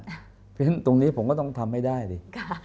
เพราะฉะนั้นตรงนี้ผมก็ต้องทำให้ได้ดิ